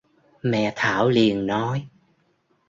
mẹ thảo liền nói